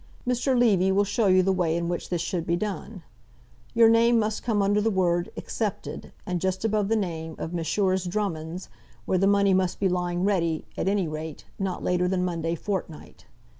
Mr. Levy will show you the way in which this should be done. Your name must come under the word "accepted," and just above the name of Messrs. Drummonds, where the money must be lying ready, at any rate, not later than Monday fortnight.